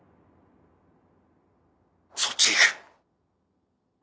そっちへ行く